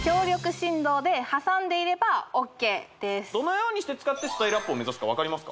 はいどのようにして使ってスタイルアップを目指すか分かりますか？